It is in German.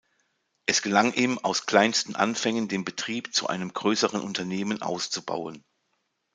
Es gelang ihm, aus kleinsten Anfängen den Betrieb zu einem größeren Unternehmen auszubauen.